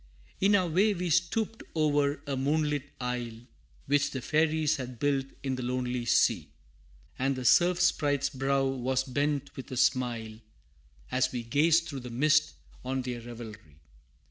In our way we stooped o'er a moonlit isle, Which the fairies had built in the lonely sea, And the Surf Sprite's brow was bent with a smile, As we gazed through the mist on their revelry.